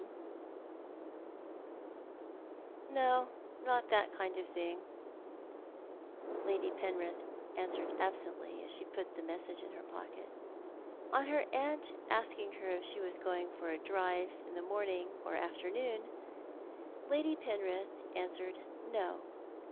26o Tlioii art the I\Ian, "No; not that kind of tiling,"' Lady Penrith answered absently, as she put the message in her pocket. On her aunt asking her if she was going for a drive in the morning or afternoon, Lady Penrith answered " No."